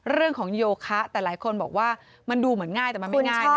เรื่องของโยคะแต่หลายคนบอกว่ามันดูเหมือนง่ายแต่มันไม่ง่ายนะโยคะ